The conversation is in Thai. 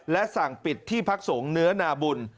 และสั่งปิดที่พักสงฆ์เนื้อนาบุญ